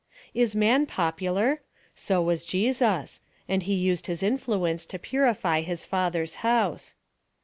Is man popular ? So was Jesus ; and he used his influence to purify his Father's house.